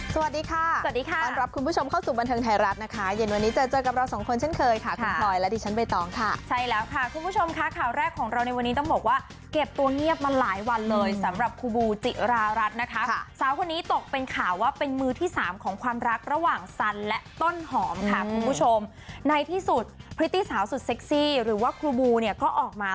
สวัสดีค่ะสวัสดีค่ะสวัสดีค่ะสวัสดีค่ะสวัสดีค่ะสวัสดีค่ะสวัสดีค่ะสวัสดีค่ะสวัสดีค่ะสวัสดีค่ะสวัสดีค่ะสวัสดีค่ะสวัสดีค่ะสวัสดีค่ะสวัสดีค่ะสวัสดีค่ะสวัสดีค่ะสวัสดีค่ะสวัสดีค่ะสวัสดีค่ะสวัสดีค่ะสวัสดีค่ะสวั